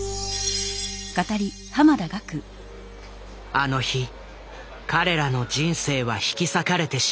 あの日彼らの人生は引き裂かれてしまった。